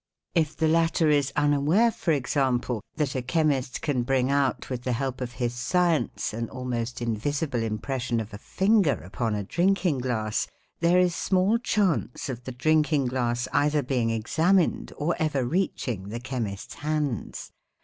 If the latter is unaware, for example, that a chemist can bring out with the help of his science an almost invisible impression of a finger upon a drinking glass, there is small chance of the drinking glass either being examined or ever reaching the chemist's hands.